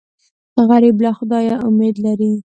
غریب له خدایه امید لري